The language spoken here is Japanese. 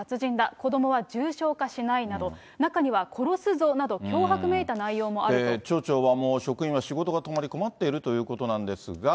子どもは重症化しないなど、中には殺すぞなど、脅迫めいた内容も町長はもう、職員は仕事が止まり困っているということなんですが。